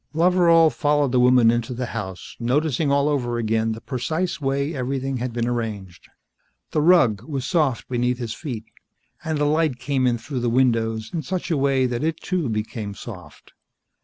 Loveral followed the woman into the house, noticing all over again the precise way everything had been arranged. The rug was soft beneath his feet, and the light came in through the windows in such a way that it, too, became soft.